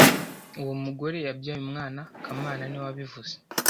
Uwo mugore yabyaye umwana kamana niwe wabivuze